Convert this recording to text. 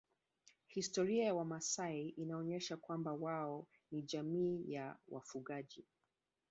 Historia ya wamasai inaonyesha kwamba wao ni jamii ya wafugaji